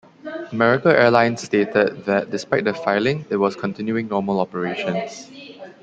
American Airlines stated that despite the filing it was continuing normal operations.